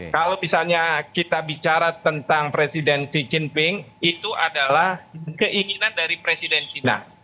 kalau misalnya kita bicara tentang presiden xi jinping itu adalah keinginan dari presiden china